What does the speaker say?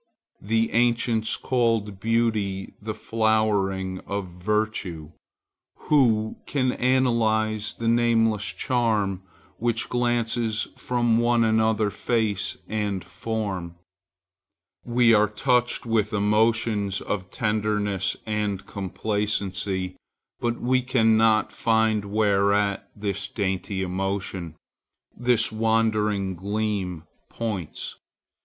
The ancients called beauty the flowering of virtue. Who can analyze the nameless charm which glances from one and another face and form? We are touched with emotions of tenderness and complacency, but we cannot find whereat this dainty emotion, this wandering gleam, points.